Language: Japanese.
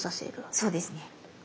そうですね。